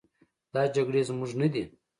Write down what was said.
دا جګړې زموږ نه دي.